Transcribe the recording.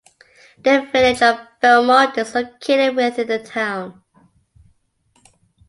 The Village of Belmont is located within the town.